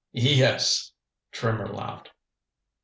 "Yes." Trimmer laughed.